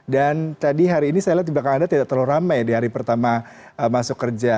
dan tadi hari ini saya lihat di belakang anda tidak terlalu ramai di hari pertama masuk kerja